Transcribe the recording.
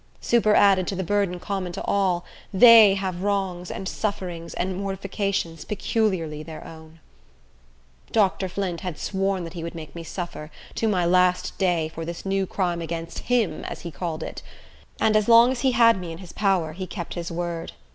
Superadded to the burden common to all, they have wrongs, and sufferings, and mortifications peculiarly their own. Dr. Flint had sworn that he would make me suffer, to my last day, for this new crime against him, as he called it; and as long as he had me in his power he kept his word.